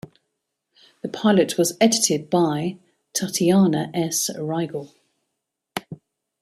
The pilot was edited by Tatiana S. Riegel.